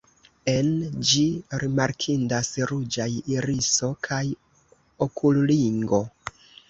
En ĝi rimarkindas ruĝaj iriso kaj okulringo.